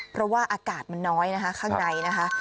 เพราะว่าอากาศมันน้อยนะคะข้างในนะคะ